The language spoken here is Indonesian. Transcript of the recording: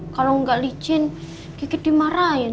kalau enggak licin kiki dimarahin